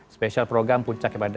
spesial program puncak kepada